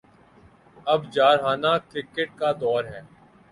اب جارحانہ کرکٹ کا دور ہے۔